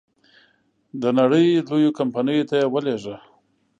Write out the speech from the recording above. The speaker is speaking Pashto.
د نړی لویو کمپنیو ته یې ولېږه.